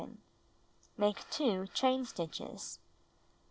Make 2 chain stitches.